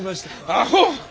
アホ！